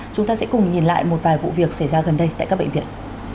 chúng ta sẽ cùng nhìn lại một vài vụ việc xảy ra gần đây tại các bệnh viện